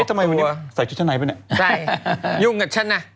ทำไมวันนี้วะใส่ชุดชั้นในไปเนี่ยใช่ยุ่งกับฉันน่ะ